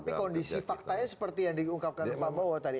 tapi kondisi faktanya seperti yang diungkapkan pak bowo tadi